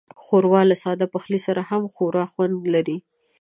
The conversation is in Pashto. ښوروا له ساده پخلي سره هم خورا خوند لري.